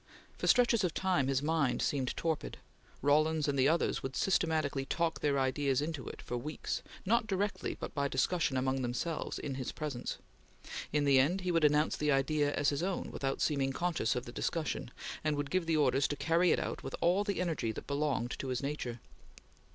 For stretches of time, his mind seemed torpid. Rawlins and the others would systematically talk their ideas into it, for weeks, not directly, but by discussion among themselves, in his presence. In the end, he would announce the idea as his own, without seeming conscious of the discussion; and would give the orders to carry it out with all the energy that belonged to his nature.